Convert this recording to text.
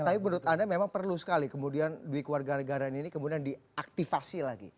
tapi menurut anda memang perlu sekali kemudian duit warga negara ini kemudian diaktifasi lagi